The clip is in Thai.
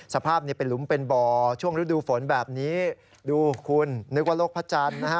สภาพนี่เป็นหลุมเป็นบ่อช่วงฤดูฝนแบบนี้ดูคุณนึกว่าโลกพระจันทร์นะฮะ